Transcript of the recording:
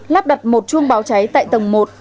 lắp đặt một chuông báo cháy tại tầng một